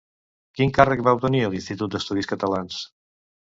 Quin càrrec va obtenir a l'Institut d'Estudis Catalans?